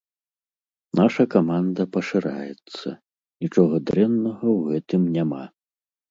Наша каманда пашыраецца, нічога дрэннага ў гэтым няма.